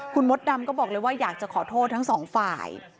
คุณมดดำก็บอกเลยว่าอยากจะขอโทษทั้งสองฝ่าย